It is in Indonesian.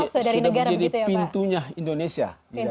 sudah menjadi pintunya indonesia